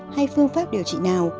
hay phương pháp điều trị nào